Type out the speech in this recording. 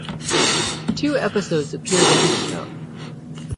Two episodes appeared in each show.